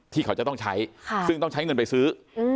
ที่เขาจะต้องใช้ซึ่งต้องใช้เงินไปซื้อ